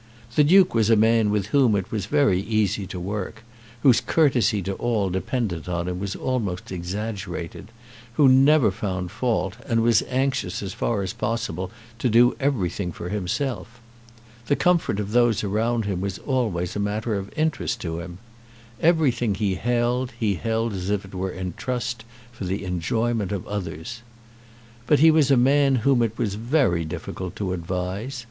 The Duke was a man with whom it was very easy to work, whose courtesy to all dependent on him was almost exaggerated, who never found fault, and was anxious as far as possible to do everything for himself. The comfort of those around him was always matter of interest to him. Everything he held, he held as it were in trust for the enjoyment of others. But he was a man whom it was very difficult to advise.